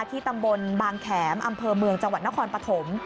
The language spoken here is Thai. ที่ตำบลบางแขมอำเภอเมืองจังหวัดนครปฐม